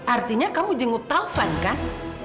artinya kamu jenguk taufan kan